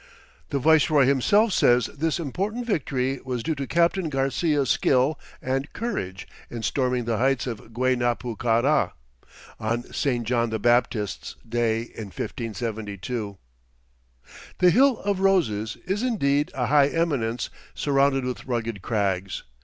The viceroy himself says this important victory was due to Captain Garcia's skill and courage in storming the heights of Guaynapucará, "on Saint John the Baptist's day, in 1572." The "Hill of Roses" is indeed "a high eminence surrounded with rugged crags."